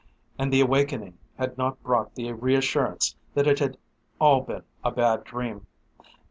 And the awakening had not brought the reassurance that it had all been a bad dream.